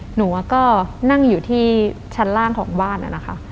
หนูก็นั่งอยู่ที่ชั้นล่างของบ้านนะคะ